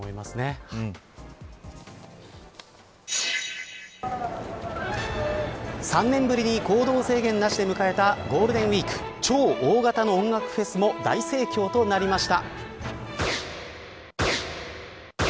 切ない最後の姿を３年ぶりに行動制限なしで迎えたゴールデンウイーク超大型の音楽フェスも大盛況となりました。